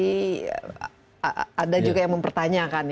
jadi ada juga yang mempertanyakan